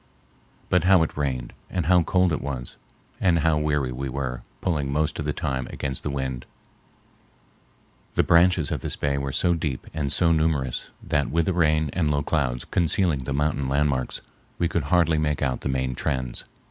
But how it rained, and how cold it was, and how weary we were pulling most of the time against the wind! The branches of this bay are so deep and so numerous that, with the rain and low clouds concealing the mountain landmarks, we could hardly make out the main trends.